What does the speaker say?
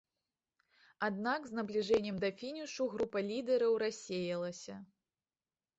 Аднак з набліжэннем да фінішу група лідэраў рассеялася.